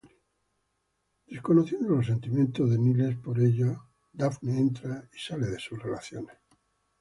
Desconociendo los sentimientos de Niles por ella, Daphne entra y sale de sus relaciones.